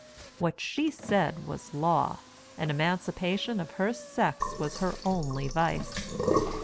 What she said was law, and emancipation of her sex was her only vice.